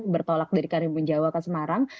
bertolak dari karimun jawa ke semarang